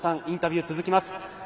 インタビュー続きます。